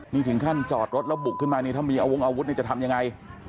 นี่ถึงขั้นจอดรถแล้วบุกขึ้นมานี่ถ้ามีอาวงอาวุธนี่จะทำยังไง